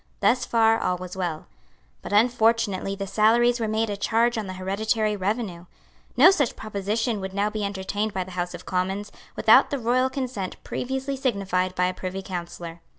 Thus far all was well. But unfortunately the salaries were made a charge on the hereditary revenue. No such proposition would now be entertained by the House of Commons, without the royal consent previously signified by a Privy Councillor.